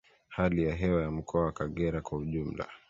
Hali ya hewa ya Mkoa wa Kagera kwa ujumla